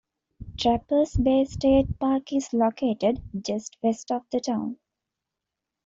Trappers Bay State Park is located just west of the town.